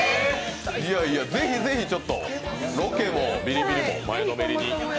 ぜひぜひ、ちょっとロケも、ビリビリも前のめりに。